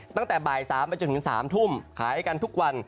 ตั้งแต่บ่าย๓ไปจนถึง๓ทุ่มหายกันทุกวัน